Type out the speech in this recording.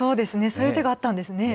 そういう手があったんですね。